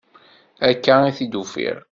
Akka i t-id-ufiɣ.